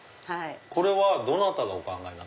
これはどなたがお考えに？